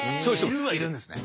いるはいるんですね。